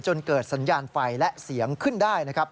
จนเกิดสัญญาณไฟและเสียงขึ้นได้